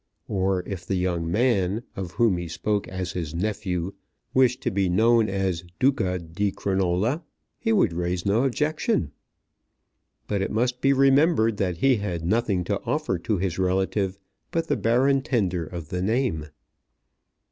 Or if the young man of whom he spoke as his nephew wished to be known as Duca di Crinola he would raise no objection. But it must be remembered that he had nothing to offer to his relative but the barren tender of the name.